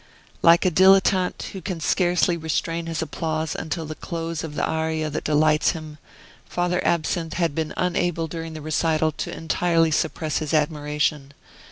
Like a dilettante who can scarcely restrain his applause until the close of the aria that delights him, Father Absinthe had been unable during the recital to entirely suppress his admiration.